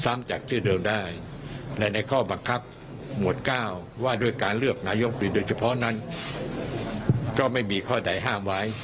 จากชื่อเดิมได้และในข้อบังคับหมวด๙ว่าด้วยการเลือกนายกรีโดยเฉพาะนั้นก็ไม่มีข้อใดห้ามไว้